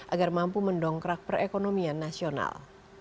agar mampu mendongkrak perekonomian nasional